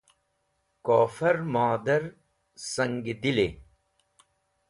Kofar modar sangi dili